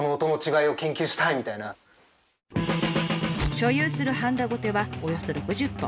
所有するはんだごてはおよそ６０本。